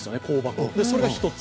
それが１つ。